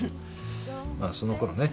まあそのころね